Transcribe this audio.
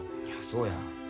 いやそうや。